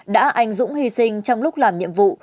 đã anh dũng hy sinh trong lúc làm nhiệm vụ